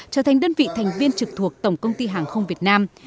trở thành đơn vị thành viên trực thuộc tổng công ty hàng không việt nam